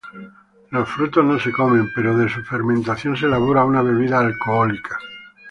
Los frutos no se comen, pero de su fermentación se elabora una bebida alcohólica.